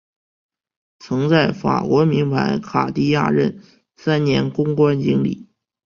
曾在法国名牌卡地亚任三年公关经理。